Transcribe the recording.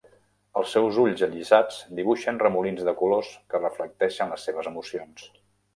Els seus ulls allisats dibuixen remolins de colors que reflecteixen les seves emocions.